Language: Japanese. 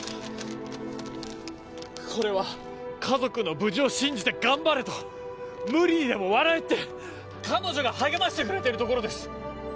これは「家族の無事を信じて頑張れ」と「無理にでも笑え」って彼女が励ましてくれてるところです！